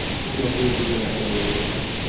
Ulla kulki vielä edelleen.